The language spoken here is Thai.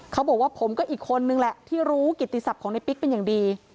เขาบอกว่าผมก็อีกคนนึงแหละที่รู้กิติศัพท์ของในปิ๊กเป็นอย่างดี